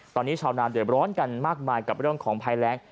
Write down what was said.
ตอนนี้ชาวนาเดือดร้อนกันมากมายกับเรื่องของภัยแรง